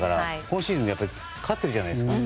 今シーズン勝ってるじゃないですか。